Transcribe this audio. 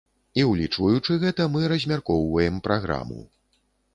І ўлічваючы гэта мы размяркоўваем праграму.